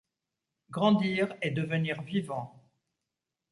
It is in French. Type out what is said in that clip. Grandir et devenir vivants.